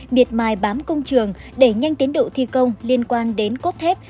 biệt mài bám công trường để nhanh tiến độ thi công liên quan đến cốt thép